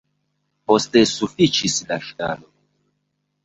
Poste sufiĉis la ŝtalo.